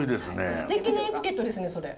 すてきなエチケットですねそれ。